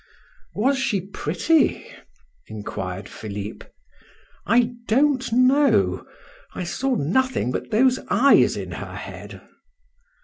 "Was she pretty?" inquired Philip. "I don't know. I saw nothing but those eyes in her head."